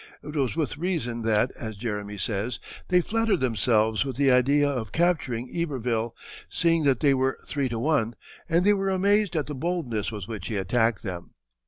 It was with reason that, as Jeremie says, "they flattered themselves with the idea of capturing Iberville, seeing that they were three to one, and they were amazed at the boldness with which he attacked them."